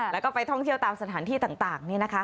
แล้วก็ไปท่องเที่ยวตามสถานที่ต่าง